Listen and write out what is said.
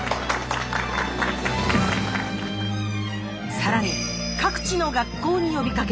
更に各地の学校に呼びかけ